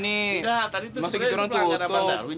tidak tadi tuh sebenarnya itu pelanggan abang darwin